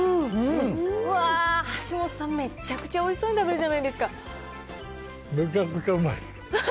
うわー、橋本さん、めちゃくちゃおいしそうに食べるじゃないめちゃくちゃうまいです。